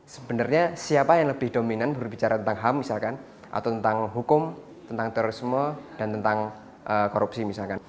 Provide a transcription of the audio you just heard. sebenarnya siapa yang lebih dominan berbicara tentang ham misalkan atau tentang hukum tentang terorisme dan tentang korupsi misalkan